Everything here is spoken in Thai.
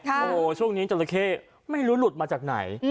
โอ้โหช่วงนี้จราเข้ไม่รู้หลุดมาจากไหน